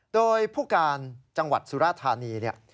โดยผู้การจังหวัดสุราธานีเนี่ย